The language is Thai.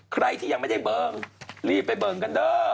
ใครที่ยังไม่ได้เบิ่งรีบไปเบิ่งกันเด้อ